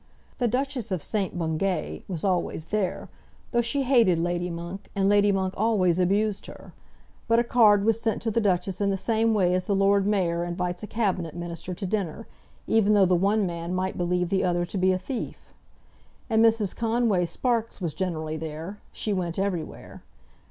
The Duchess of St. Bungay was always there, though she hated Lady Monk, and Lady Monk always abused her; but a card was sent to the Duchess in the same way as the Lord Mayor invites a Cabinet Minister to dinner, even though the one man might believe the other to be a thief. And Mrs. Conway Sparkes was generally there; she went everywhere.